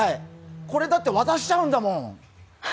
これだって渡しちゃうんだもん！